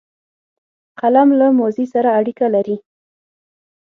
قلم له ماضي سره اړیکه لري